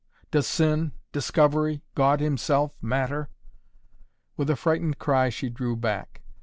Does sin discovery God himself matter?" With a frightened cry she drew back.